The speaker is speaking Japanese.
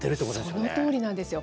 そのとおりなんですよ。